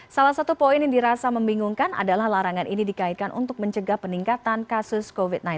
salah satu poin yang dirasa membingungkan adalah larangan ini dikaitkan untuk mencegah peningkatan kasus covid sembilan belas